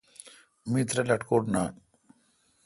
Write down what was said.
می ترہ لٹکور نان۔